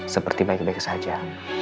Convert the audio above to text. seperti baik baik saja